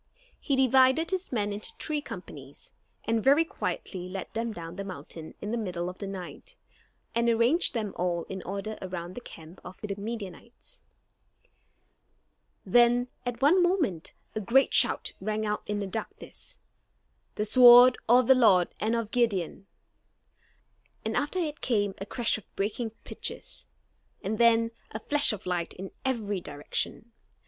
He divided his men into three companies, and very quietly led them down the mountain in the middle of the night, and arranged them all in order around the camp of the Midianites. [Illustration: The men blew their trumpets with a mighty noise] Then at one moment a great shout rang out in the darkness, "The sword of the Lord and of Gideon," and after it came a crash of breaking pitchers, and then a flash of light in every direction.